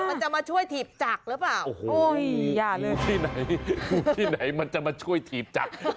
มันจะมาช่วยถีบจักรหรือเปล่าโอ้โหอย่าเลยที่ไหนที่ไหนมันจะมาช่วยถีบจักร